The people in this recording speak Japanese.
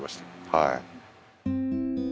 はい。